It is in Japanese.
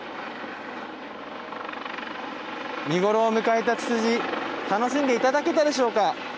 見頃を迎えたツツジ楽しんでいただけたでしょうか。